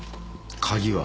鍵は？